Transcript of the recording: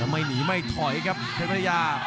ไม่หนีไม่ถอยครับเพชรพระยา